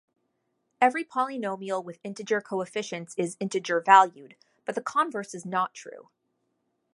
Every polynomial with integer coefficients is integer-valued, but the converse is not true.